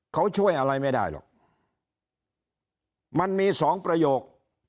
เขาช่วยอะไรไม่ได้หรอกมันมีสองประโยค